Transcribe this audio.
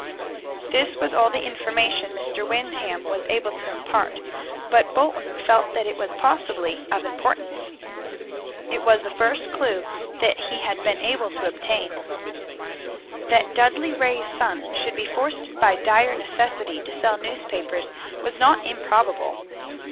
This was all the information Mr. Windham was able to impart, but Bolton felt that it was possibly of importance. It was the first clue he had been able to obtain. That Dudley Ray's son should be forced by dire necessity to sell newspapers was not improbable.